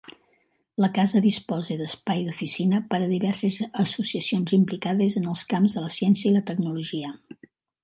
La casa disposa d'espai d'oficina per a diverses associacions implicades en els camps de les ciència i la tecnologia.